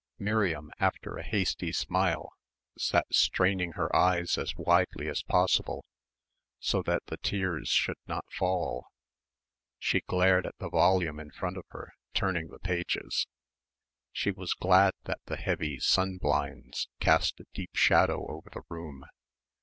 Miriam, after a hasty smile, sat straining her eyes as widely as possible, so that the tears should not fall. She glared at the volume in front of her, turning the pages. She was glad that the heavy sun blinds cast a deep shadow over the room.